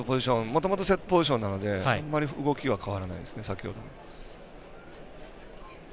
もともとセットポジションなのであんまり動きは変わらないですね先ほどと。